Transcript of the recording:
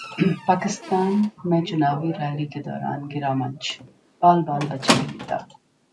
पाकिस्तान में चुनावी रैली के दौरान गिरा मंच, बाल-बाल बचे नेता